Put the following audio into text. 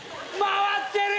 回ってる！